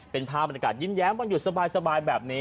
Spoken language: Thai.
เป็นภาพบรรยากาศยิ้มแย้มวันหยุดสบายแบบนี้